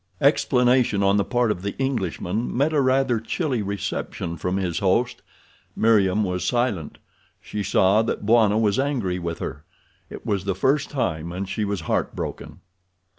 Explanation on the part of the Englishman met a rather chilly reception from his host. Meriem was silent. She saw that Bwana was angry with her. It was the first time and she was heart broken.